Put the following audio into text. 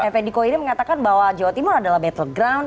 fn diko ini mengatakan bahwa jawa timur adalah battle ground